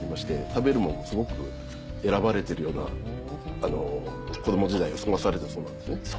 食べるものもすごく選ばれてるような子供時代を過ごされたそうなんですね。